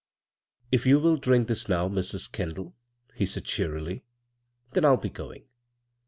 " If you will drink this now, please, Mrs. Kendall," he said cheerily, "then I'll be going."